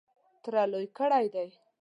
تره لوی کړی دی .